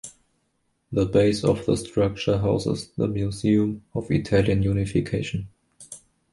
The base of the structure houses the museum of Italian Unification.